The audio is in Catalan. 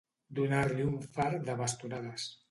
Donar-li un fart de bastonades.